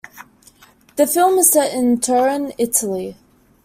The film is set in Turin, Italy.